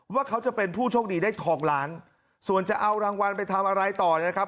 ว่าเขาจะเป็นผู้โชคดีได้ทองล้านส่วนจะเอารางวัลไปทำอะไรต่อนะครับ